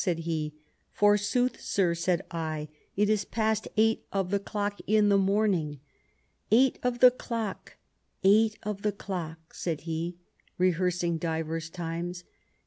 said ha * Forsooth, sir/ said I, 'it is past eight of the clock in the morning.' —* Eight of the clock, eight of the clock,' said he, rehearsing divers times.